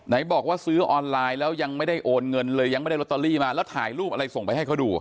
บอกว่าซื้อออนไลน์แล้วยังไม่ได้โอนเงินเลยยังไม่ได้ลอตเตอรี่มาแล้วถ่ายรูปอะไรส่งไปให้เขาดู